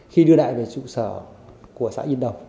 khi đưa đại về trụ sở của xã yên đồng